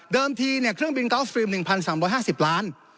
เดิมทีเนี่ยเครื่องบินกาวสตรีม๑๓๕๐ล้าน